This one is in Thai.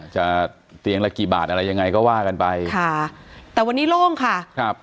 เตียงละกี่บาทอะไรยังไงก็ว่ากันไปค่ะแต่วันนี้โล่งค่ะครับ